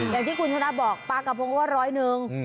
อย่างที่คุณชนะบอกปลากระพงก็ร้อยหนึ่ง